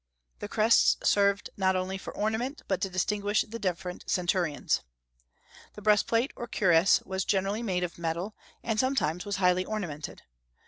The crests served not only for ornament, but to distinguish the different centurions. The breastplate, or cuirass, was generally made of metal, and sometimes was highly ornamented.